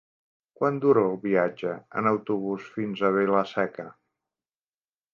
Quant dura el viatge en autobús fins a Vila-seca?